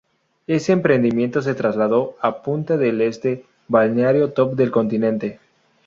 Ese emprendimiento se trasladó a Punta del Este, balneario top del continente.